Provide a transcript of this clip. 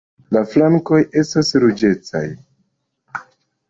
La flankoj estas ruĝecaj.